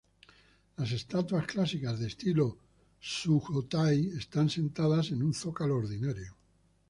Las estatuas clásicas de estilo Sukhothai están sentadas en un zócalo ordinario.